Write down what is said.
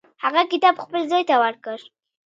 هغه کتاب خپل زوی ته ورکړ.